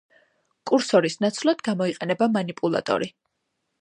კურსორის ნაცვლად გამოიყენება მანიპულატორი.